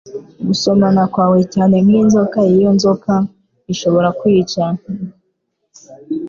Gusomana kwawe cyane nk'inzoka y'inzoka Ishobora kwica,